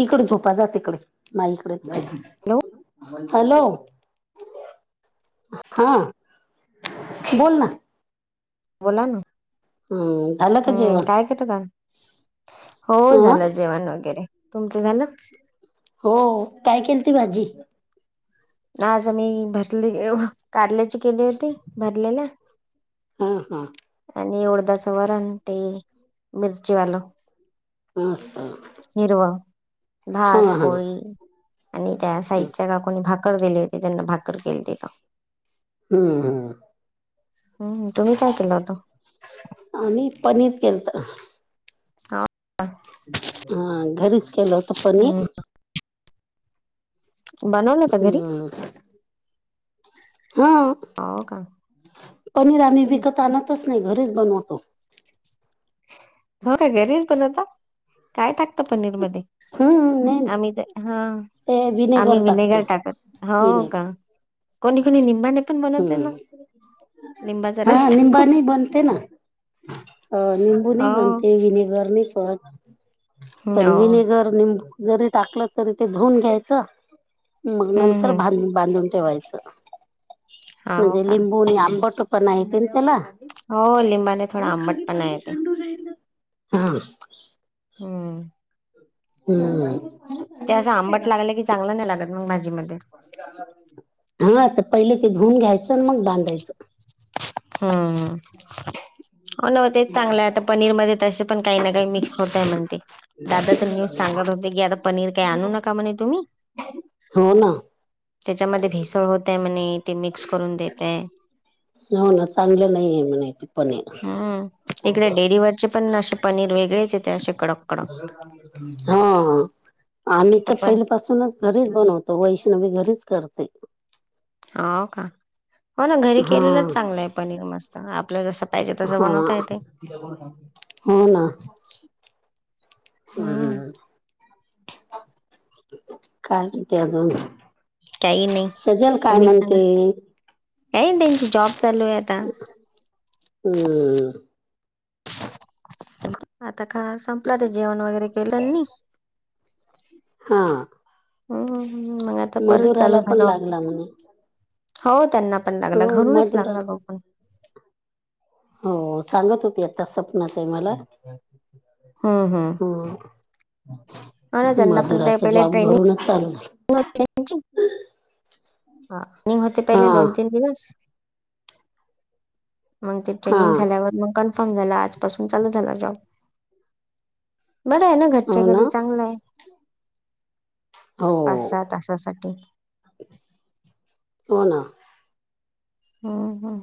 इकडे झोपा जात इकडे माईकडे हॅलो हॅलो हा बोल ना बोला ना हं, झालं का हम् जेवण काय केता का हो हा झालं जेवण वगैरे तुमचं झालं हो काय केल ती भाजी आज आम्ही भरली कारल्याची केली होती भरलेला हा हा आणि उडदा चं वरण ते मिरची वालं असं. हिरवा हा भात हा पोळी आणि त्या साइडच्या काकूंनी भाकर दिली होती. त्यांना भाकर केलती का. हम्म हम्म तुम्ही काय केलं होत. आम्ही पनीर केलत. हा हा घरीच केलं होत हम्म पनीर. बनवलं होत घरी हम्म हा हो का पनीर आम्ही विकत आणतच नाही घरीच बनवतो. हो का घरीच पण आता काय टाकत पनीर मध्ये हम्म नाही आम्ही तर हा ते आम्ही टाकते विनेगर टाकत हो का विनेगर कोणी कोणी निंबाणे ण बनत आहे ना हम्म लिंबाचा हा रस्ता खूप निंबाने बनते ना अ निंबू नाही बनते विनेगर नाही पत पण हो विनेगर नि जरी टाकलं तरी ते धुऊून घ्यायचं मग हम्म नंतर हम्म बांध बांधून ठेवायचं हो म्हणजे का लिंबू आणि आंबटो पण आहे त्यां त्याला हो लिंबाने थोडा आंबट खाली पण पाणी आहे ते सांडू राहिलं हम हम् त्या असं आंबट लागलं की चांगलं नाही लागत मग भाजी मध्ये हा तर पहिले ते धुऊन घ्यायचं मग बांधायचं. हम्म, हो न तेच चांगलं आहे. आता पनीर मध्ये तसे पण काही ना काही मिक्स होत. म्हणते दादा तर न्यू सांगत होते की आता पनीर काही आणू नका म्हणे तुम्ही. हो ना, त्याच्यामध्ये भेसळ होतय म्हणे ते मिक्स करून देतय. हो ना चांगलं नाही आहे म्हणे ते पनीर हम्म, इकडे डेअरी वरचे पण असे पनीर वेगळेच येत असे. कडक कडक हा आम्ही तर पहिली पाासूनच घरीच बनवतो. वैष्णवी घरीच करते. हो का, हो ना घरी हा केलेलंच चांगलं आहे. पनीर मस्त आपलं जस पाहिजे तसं हा बनवता येते. हो ना हम्म हम् काय म्हणते, अजून काही नाही सजन काय म्हणते? काय त्यांची जॉब चालू आहे आता हम्म आता का संपला ते जेवण वगैरे केलं नी. हा हम् मग आता परत मधुराला चालू पण झालं. लागला ऑफिस म्हणे हो त्यांना पण लागला हो घरूनच मधुरा लागला तो पण हो, सांगत होती. आता सपना ताई मला हम्म हम्म हा हो ना त्यांना पण ते मधुराचा पहिले जॉब ट्रेनिंग घरूनच चालू झालं. हा नि होते पहिले हा दोन-तीन दिवस मग ते हा ट्रेनिंग झाल्यावर मग कन्फर्म झाला आजपासून चालू झाला जॉब. बरं आहे ना घरच्या हो ना घरी चांगलं आहे. पाच हो सहा तासासाठी हो ना, हम्म हम्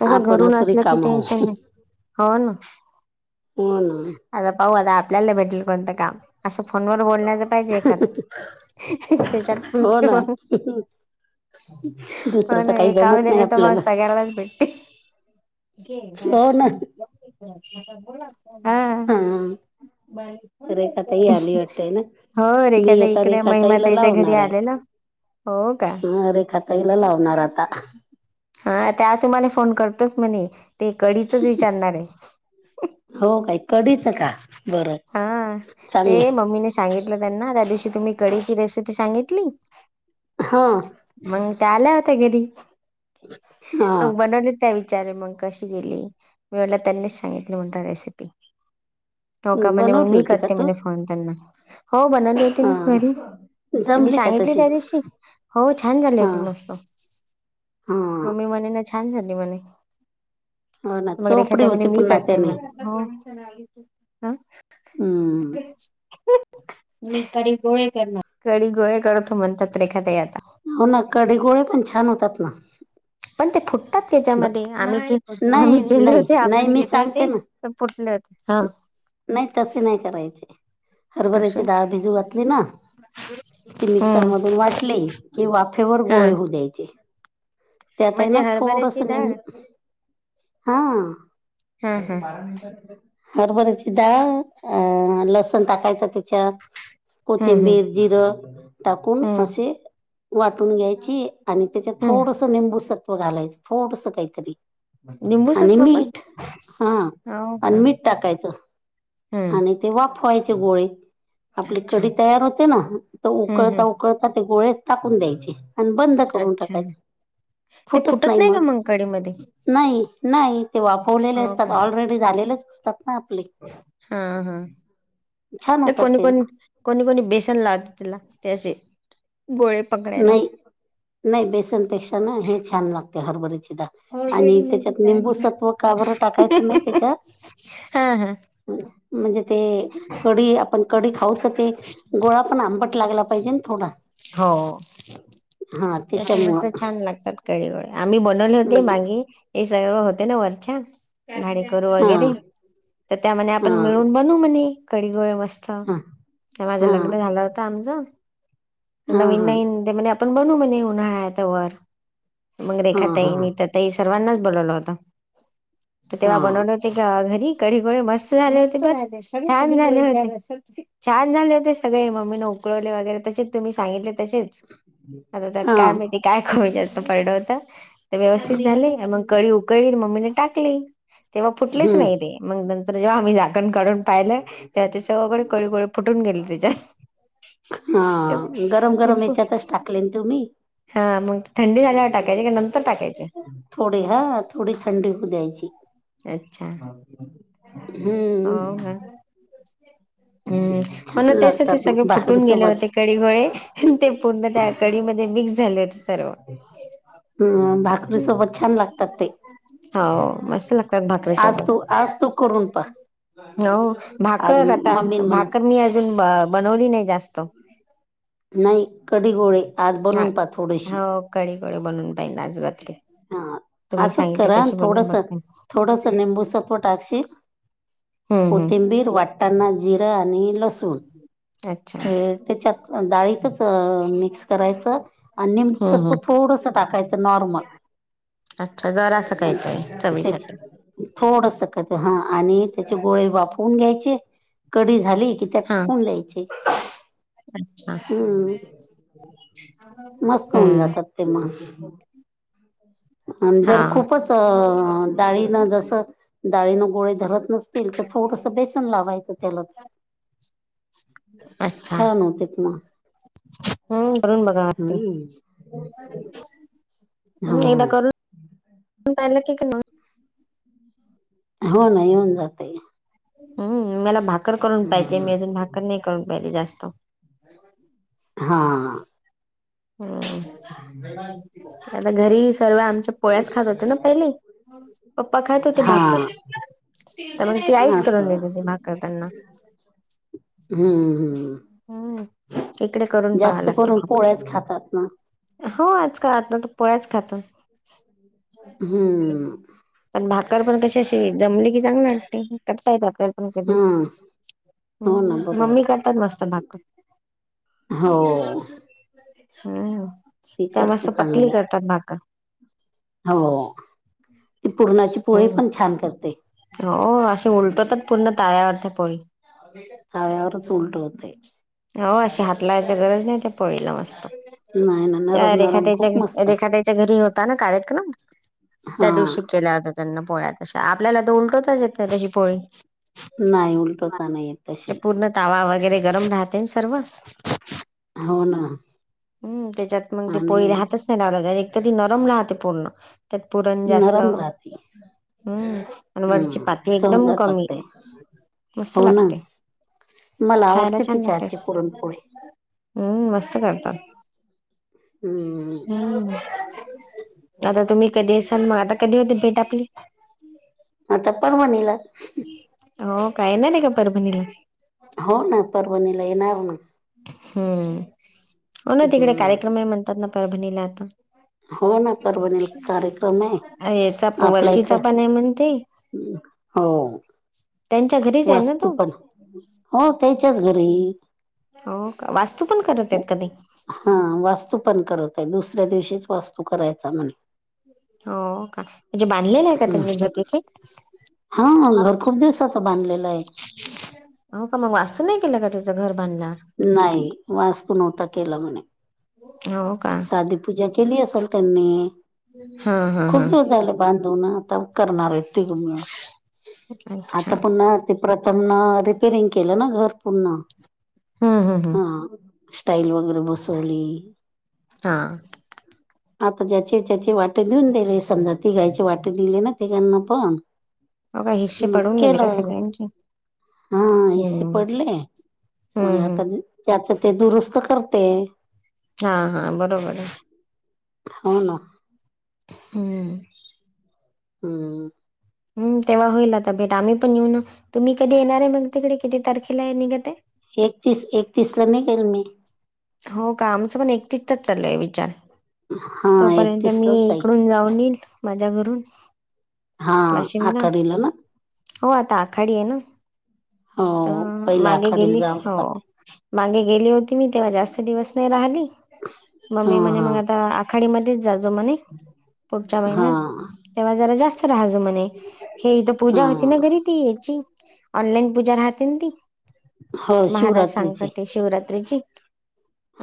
कस घरून आपणच असलं की रिकामा होऊ टेन्शन नाही हो ना. हो ना आता पाह आता आपल्याला भेटेल कोणतं काम असं फोनवर बोलण्याच पाहिजे एखादं. त्याच्यात हो ना पण दुसरं हो तर नाही काही हे काम जमत नाही दिलं तर मग आपल्याला सगळ्यालाच भेटते. ज हो ना राज बोला [unintelligible] हा बार रेखाताई आली [unintelligible] वाटते ना हो मी रेखाद्या आता इकडे महिमा रेखाताईला त्या याच्या घरी लावणार आहे आले ना. हो का हा रेखाताईला लावणार आता हा त्या तुम्हाला फोन करतच म्हणे ते कडीचच विचारणार आहे. हो काही कढी च का बरं. हा ते चांगलं मम्मीने सांगितलं त्यांना त्या दिवशी तुम्ही कढीची रेसिपी सांगितली. हा मग त्या आल्या होत्या. घरी हा मग बनवले त्या विचार मग कशी केली मी म्हणलं त्यांनीच सांगितलं. मुटा रेसपी हो का हं, म्हणे मग बनवली मी होती का करते तू म्हणे फोन त्यांना, हो बनवलीेते ना हं. घरी तुम्ही जमली का सांगितली तशीच त्या दिवशी हो छान झाले होते हं, मस्त, हं. मम्मी मणे ना छान झाली मणे हो ना मगर चोपडी एखाद्या म्हने होती मी पुन्हा करते त्याने मग ह हम्म, मी कढी गोळे करनार. कढी गोळे करतो म्हणतात रेखा ताई आता हो ना कढी गोळे पण छान होतात ना. पण ते फुटतात ब- त्याच्यामध्ये आम्ही नाही आम्ही गेले नाही होते. नाही आपण मी गेले सांगते होते ना तर फुटले होते हा नाही तसे नाही करायचे. कसे हरभऱ्याची डाळ भिजू घातली ना. ते मिक्सर हम्म मधून वाटले की वाफेवर हा गोळे होऊ द्यायचे. त्यातही म्हणजे ना थोडस हरभऱ्याची डाळ नेमकं हा हा हा हरबरची डाळ अं लसण टाकायचं त्याच्यात हं, हं. कोथिंबीर जिरं टाकून हं, असे वाटून घ्यायची आणि त्याच्यात हं. थोडसं निंबूसत्व घालायचं थोडस काहीतरी आणि लिंबूसत्व पण? मीठ हा हो का? आणि मीठ टाकायचं. हं. आणि ते वाफवाय ते गोळे आपली अच्छा. कढी तयार होते ना तर हं, उकळता हं. उकळता ते गोळे टाकून द्यायची आणि बंद करून अच्छा. टाकायच फुटत नाही मग नाही नाही ते वाफवलेले असतात ऑलरेडी झालेलेच ना आपले हा हा. छान नाही होतात कोणी ते कोणी कोणी कोणी बेसन लावला त्याशी नाही नाही बेसनपेक्षा ना हे छान लागते हरभरीची आणि त्याच्यात निंबूसत्व काबर टाकायचं माहितीय का हां, हां. म्हणजे ते कढी आपण कडी खाऊ तर ते गोळा पण आंबट लागला पाहिजे थोडा. हो. हा मस त्याच्यामुळं छान लागतात कळी गोळे आम्ही बनवले होते हम्म. मागे येस सगळ होते ना वरच्या झाणेकरू हा वगैरे तर त्यामध्ये हा आपण मिळून बनू म्हणे कडी गोळे म हा माझं हा लग्न झालं होत आमचं हा नवीन हा नईन ते म्हणे आपण बनू म्हणि उन्हाळा त वर. मंगरेखा ताई हा मी तर तई सर्वांनाच बोलवलं होत तेव्हा हा बनवले होते घ घरी कडीगोळे मस्त झाले होते ब छान झाले होते छान झाले होते सगळे मम्मी न उकळवले वगैरे तशे तुम्ही सांगितले तसेच आता त्यात हा काय माहिती काय खुप जास्त पडल होत. ते व्यवस्थित झाले मग कडी उकळी मम्मीने टाकले तेव्हा फुटलेच हम्म नाही ते म नं जेव्हा आम्ही झाकण काढून पाहिलं तेव्हा ते सगळे कडीगोळे फुटून गेले. त्याच्यात. हा गरम गरम ते हच्यातच टाकलेन तुम्ही हा मग थंडी झाल्यावर टाय का नंतर टाकायची. थोडी हा थोडी थंडी होऊ द्यायची. अच्छा हम्म [unintelligible] हम्म हो ना तेस ते लागतात सगळे मग भाकरी फुटून गेले सोबत होते कडीगोळे ते पूर्ण त्या कडी ते मिक्स झाले होते सर्व. हम्म भाकरी सोबत छान लागतात ते. हो मस्त लागतात आज भाकरीसोबत. तू आज तू करून हो पहा आज भाकर मम्मी म्हणा भाकर मी अजून बनवली नाही जास्त नाही कढी गोळे आज हा बनवून पा थोडीशी हो कडीगोळे बनून पाहिन आज वर हा तुम्ही असंच सांगितले करा आणि तशी बनून थोडंसं बघन. थोडंसं निंबू सत्व टाकशील कोथिंबीर वाटतांना जिरं आणि लसूण अच्छा त्याच्यात दाळीच अ मिक्स करायचं आणि निंबु हम्म सत्व हम् थोडस टाकायचं नॉर्मल. अच्छा जरासं काहीतरी त्याच चवीसाठी थोडस ह आणि त्याचे गोळे वाफवुन घ्यायचे कडी झाली की त्यात हा टाकून द्यायचे. अच्छा हम्म मस्त होऊन हम्म जातात ते मग. आणि जर हा खूपच डाळीन ज डाळीन गोळे धरत नसतील, त थोडस बेसन लावायचं त्यालाच. छान होतेत मग. हम् करुन बघाव हम्म हम्म. हा एकदा करून पायल कि म हो ना येऊन जातय. हम्म मला भाकर करून पाहिचे. मी अजून भाकर नाही करून पाहिलि जास्त. हां. हम्म आता घरी सर्व आमच्या पोळ्याच खात होत ना पहिले. पप्पा खात होते हा भागकर. तर मग ती आईच करून असं देत होती. भाकर त्यांना. हम्म हम्म. हम्म इकडे करून पाहाव जास्त लागते करून भाकर पोळ्याच खातात ना. हो आजकाल आता त पोळ्याच खातात. हम्म. तरी पण कशी अशी जमली की चांगल वाटतय, करतायेत आपल्याला. हम्म हो ना बरोबर मम्मी करतात मस्त भाकर. हो. हम्म ती त्या करते मस्त पतली चांगली. करतात भाकर हो ती पूर्णाची पोळी हम्म पण छान करते. हो असे उलटतच पूर्ण ताव्यावरथ पोळी. तव्यावरच उलटवते. हो अशी हात लावायची गरज नाही ते पोळीला मस्त. नाही ना काय नरम रेखा नरम खूप ताईच्या मस्त रेखा ताईच्या घरी होत. ता कार्यक्रम त्या हा दिवशी केला. त्यांना पोळ्यात तशा आपल्याला त उलट तच येत नाही, ताब्याची पोळी नाही उलटवता नाही येत ते तशी पूर्ण तावा वगैरे गरम राहतेन सर्व. हो ना. हम् त्याच्यात मग ते पोळीला आणि हहातच नाही लावलं जा एक तर ती नरम राहते पूर्ण. त्यात पुरण जास्त. नरम राहते हम्म आणि वरची हम्म पाती एकदम चवदार कमी, लागते मस्त हो ना लागते. मला खायला आवडते छान तिच्या लागते, आजची पुरणपोळी हम्म मस्त करतात. हम्म हम आता तुम्ही कधी असाल मग आता कधी होते भेट आपली. आता परभणीला. हो काय येनारेका परभणीला. हो ना परवणीला येणार ना. हम्म हो ना तिकडे हम्म कार्यक्रमही म्हणतात, ना परभणीला आता. हो ना परभणीला कार्यक्रम आहे अ याचा, आपला एक वर्षीचा पणे म्हणती. हो. त्यांच्या घरीच आहे ना वास्तू तो पण, हो त्याच्याच घरी. हो का? वास्तु हा वास्तू पण करतेय, दुसऱ्या दिवशीच वास्तू करायचा म्हणे. हो का? म्हणजे बांधलेलंय का हम्म. त्यांनी घर तीथे हा घर खूप दिवसाचं बा अ का मग वास्तू नाही केल का त्याच. नाही वास्तू नव्हता केला म्हणे, हो का साधी पूजा केली असेल त्यांनी, हा हा हा खूप दिवस झाले बांधून. करणार त अच्छा आता पु्हा ते. प्रथम ना रिपेरिंग केलं ना, घर पुून्हा. हम्म हम्म हम्म. स्टईल वगैरे बसवली. हा आता ज्याची त्याची वाटे देऊन दिले समजा तीघायची वाटे दिले ना तिघांना पण हो काय हिस्से मग पडून गेले का केलं सगळ्यांचे हा हिस्से हम्म पडले हम्म मग हम्म आता त्याच ते दुरुस्त कर ते हा हा बरोबर आहे होा ना हम्म हम्म हम तेव्हा होईल आता भेट आम्ही पण येऊन तुम्ही कधी येणार आहे मग तिकडे किती तारखेला आहे निघत तलमी हो का आमचं पण एकटीचच चालय विचार हा तोपर्यंत एकतीस मी लाच जाईल इकडून जाऊन येईल माझ्या घरून हा वाशिमला आकडला ना हो आता आखाडी आहे ना हो पहिल्या मागे आखाडीला गेली जावंच हो लागतं मागे गेली होती मी तेव्हा जास्त दिवस नाही राहिली हा मममी म्हणे हा मग आता आखाडीमध्येध्येच ज णे पुढच्या हा महिन्यात तेव्हा जरा जास्त राहाजो म्हणे हेथ पूजा हा होती ना घरी ती याची ऑनलाईन पूजा राहते ना ती हो महाराज शिवरात्रीचे सांगतात ते शिवरात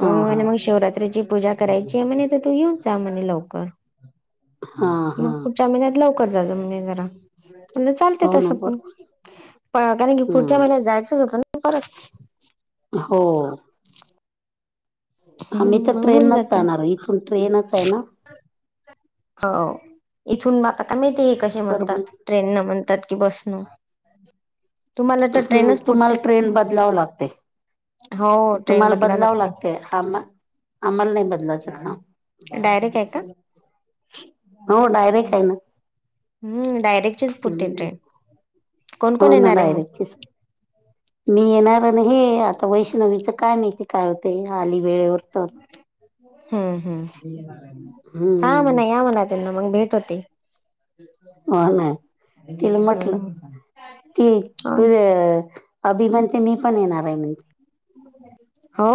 हा हा मग शिवरात्रीची पूजा करायची म्हणे तर तू येऊ त्या म लवकर हा हा मग पुढच्या महिन्यात लवकर जाचो म्हणजे जरा चालते हो ना तसं पण बरोबर कारण की पुढच्या महिन्यात हम्म जायचंच होतं ना परत हो आ्ही तर मग ट्रेन होऊन नच जाते जाणार इथून ट्रेनच आहे ना हो इथून ब आता का माहिती कसे बरोबर म्हणतात ट्रेन न म्हणतात ात कि बसन तुम्हाला तर ह ट्रेनच फुटते तुम्हाला ट्रेन बदलाव लागते हो ट्रेन तुम्हाला बदला बदलावं लागते लागतय आम आम्हाला नाही बदला डायरेक्ट आहे का? हो डायरेक्ट आहे आहे ना हम् डयरक्टच हम्म पुटडे हो ना डायरेक्टचीच मी येणार आणि हे आता वैष्णवीचं काय नाही ते काय होते आली वेळेवर तर हम्म हम्म हा हम्म मणा या मला त्यांना मग भेट होते हो ना तिला म्हटलं हम्म ती तुझ्या अभि म्हनते मी पण येणार आहे म्हणते हो